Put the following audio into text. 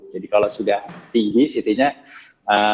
jadi kalau sudah tinggi ct nya kita pulangkan